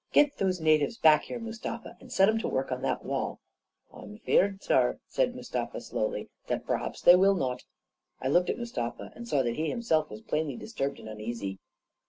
" Get those natives back here, Mustafa, and set 'em to work on that wall." " I am feared, saar," said Mustafa slowly, " dat perhaps they will not", I looked at Mustafa and saw that he himself was plainly disturbed and uneasy.